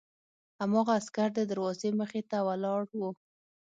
هماغه عسکر د دروازې مخې ته ولاړ و